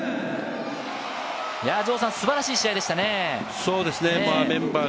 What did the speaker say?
素晴らしい試合でしたね。